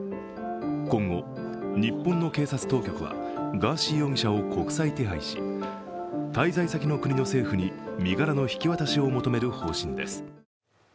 今後、日本の警察当局はガーシー容疑者を国際手配し滞在先の国の政府に身柄の引き渡しを求める方針です。